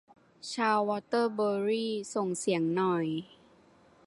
ชาววอเตอร์เบอรี่ ส่งเสียงหน่อย